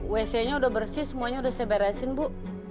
wc nya udah bersih semuanya udah saya beresin bu